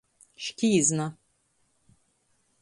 Škīzna.